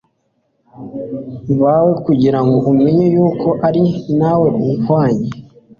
bawe kugira ngo umenye yuko ari nta wuhwanye